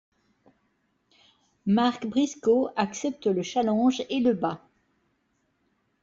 Mark Briscoe accepte le challenge et le bat.